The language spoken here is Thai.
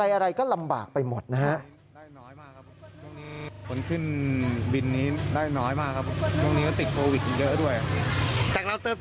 อะไรก็ลำบากไปหมดนะฮะ